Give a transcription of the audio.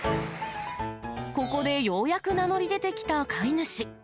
ここでようやく名乗り出てきた飼い主。